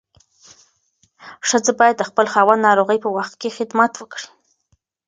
ښځه باید د خپل خاوند ناروغۍ په وخت کې خدمت وکړي.